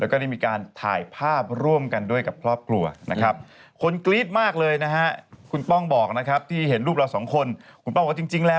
ขอโทษหัวร้อนดังขอโทษค่ะ